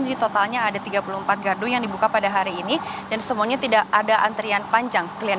jadi totalnya ada tiga puluh empat gardu yang dibuka pada hari ini dan semuanya tidak ada antrian panjang